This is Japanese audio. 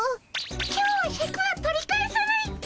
今日はシャクは取り返さないっピ。